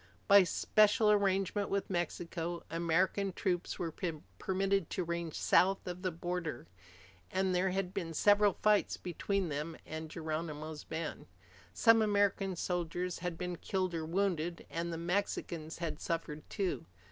By special arrangement with Mexico, American troops were permitted to range south of the border, and there had been several fights between them and Geronimo's band. Some American soldiers had been killed or wounded, and the Mexicans had suffered too.